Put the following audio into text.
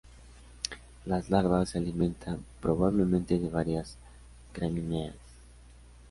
Las larvas se alimentan probablemente de varias gramíneas.